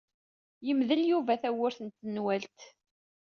Yemdel Yuba tawwurt n tenwalt.